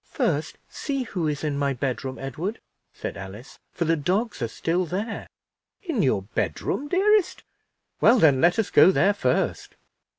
"First see who is in my bedroom, Edward," said Alice, "for the dogs are still there." "In your bedroom, dearest? Well, then, let us go there first."